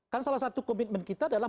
kan salah satu komitmen kita adalah